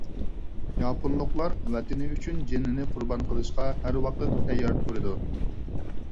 ياپونلۇقلار ۋەتىنى ئۈچۈن جېنىنى قۇربان قىلىشقا ھەر ۋاقىت تەييار تۇرىدۇ.